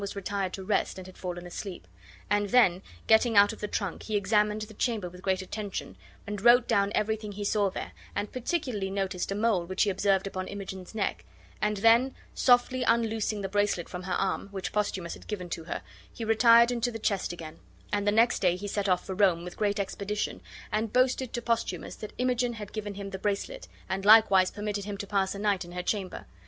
was retired to rest and had fallen asleep; and then, getting out of the trunk, he examined the chamber with great attention, and wrote down everything he saw there, and particularly noticed a mole which he observed upon Imogen's neck, and then softly unloosing the bracelet from her arm, which Posthumus had given to her, he retired into the chest again; and the next day he set off for Rome with great expedition, and boasted to Posthumus that Imogen had given him the bracelet, and likewise permitted him to pass a night in her chamber.